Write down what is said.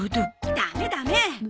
ダメダメ！